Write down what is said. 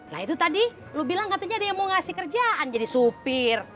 nah itu tadi lo bilang katanya ada yang mau ngasih kerjaan jadi supir